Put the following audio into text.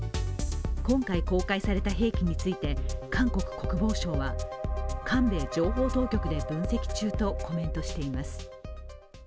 今回公開された兵器について、韓国国防省は韓米情報当局で分析中とコメントしています。